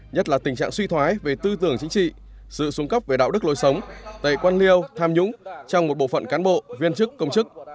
nhất là tình trạng suy thoái về tư tưởng chính trị sự xuống cấp về đạo đức lối sống tệ quan liêu tham nhũng trong một bộ phận cán bộ viên chức công chức